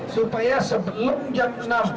supaya sebelum jam enam